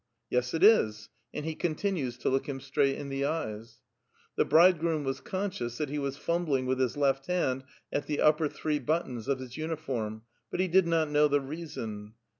''Yes, it is;" and he continues to look him straight in the eves. The bridegroom was conscious tiiat he was fumbling with his left hand at the three upper buttons of bis uniform, but he did not know the reason.